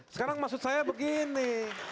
sekarang maksud saya begini